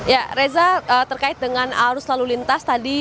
ya reza terkait dengan arus lalu lintas tadi